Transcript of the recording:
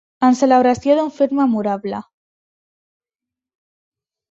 En celebració d'un fet memorable.